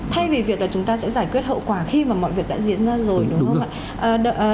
thay vì việc là chúng ta sẽ giải quyết hậu quả khi mà mọi việc đã diễn ra rồi đúng không ạ